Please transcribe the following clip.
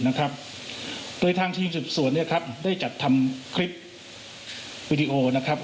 นะครับโดยทางทีมสืบสวนเนี่ยครับได้จัดทำคลิปวิดีโอนะครับ